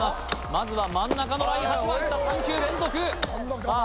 まずは真ん中のライン８番きた３球連続さあ